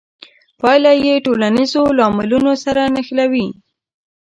پایله یې ټولنیزو لاملونو سره نښلوي.